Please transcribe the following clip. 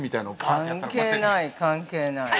◆関係ない、関係ない。